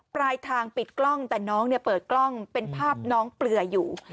ปลายทางปิดกล้องแต่น้องเนี่ยเปิดกล้องเป็นภาพน้องเปลืออยู่